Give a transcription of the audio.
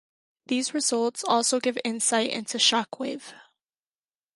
These results also give insight into shock wave.